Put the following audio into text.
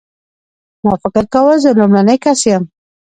ما فکر کاوه زه لومړنی کس یم.